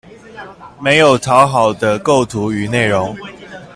沒有討好的構圖與內容